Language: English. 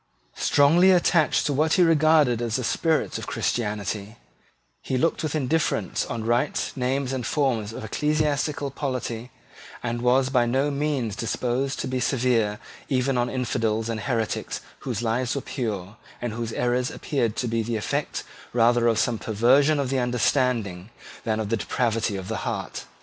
Strongly attached to what he regarded as the spirit of Christianity, he looked with indifference on rites, names, and forms of ecclesiastical polity, and was by no means disposed to be severe even on infidels and heretics whose lives were pure, and whose errors appeared to be the effect rather of some perversion of the understanding than of the depravity of the heart.